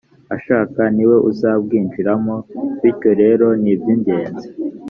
ashaka ni we uzabwinjiramo bityo rero ni iby ingenzi